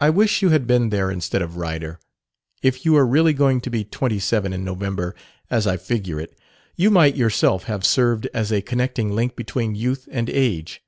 "I wish you had been there instead of Ryder. If you are really going to be twenty seven in November as I figure it you might yourself have served as a connecting link between youth and age.